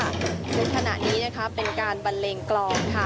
ในขณะนี้นะคะเป็นการบันเลงกลองค่ะ